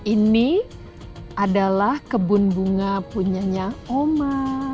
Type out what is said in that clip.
ini adalah kebun bunga punyanya oma